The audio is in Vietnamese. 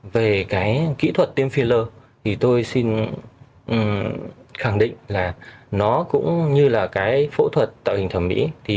về kỹ thuật tiêm filler tôi xin khẳng định là nó cũng như phẫu thuật tạo hình thẩm mỹ